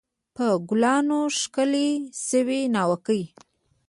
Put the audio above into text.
په ګلانو ښکلل سوې ناوکۍ